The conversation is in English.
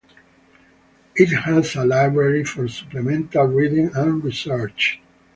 It has a library for supplemental reading and research.